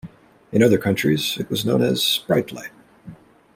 In other countries, it was known as "Sprite Light".